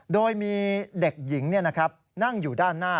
โดยมีเด็กหญิงนั่งอยู่ด้านหน้า